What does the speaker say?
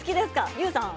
ＹＯＵさん。